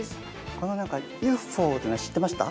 このなんかＵＦＯってのは知ってました？